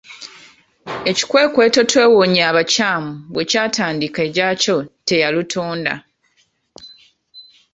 Ekikwekweto “Twewonye abakyamu” bwe kyatandika egyakyo teyalutonda.